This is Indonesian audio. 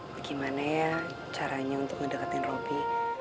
bagaimana ya caranya untuk mendekatin robi